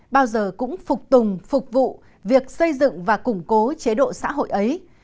bao giờ cũng phục tùng phục vụ việc xây dựng và củng cố chế độ xã hội ấy